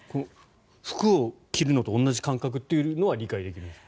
服を着るのと同じ感覚というのは理解できますか？